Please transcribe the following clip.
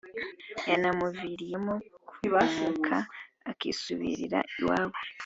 yanamuviriyemo kugumuka akisubirira iwabo